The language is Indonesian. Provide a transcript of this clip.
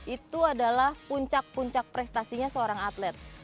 itu adalah puncak puncak prestasinya seorang atlet